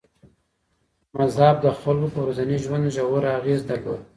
مذهب د خلګو په ورځني ژوند ژور اغېز درلود.